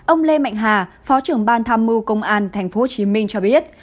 ông lê mạnh hà phó trưởng ban tham mưu công an tp hcm cho biết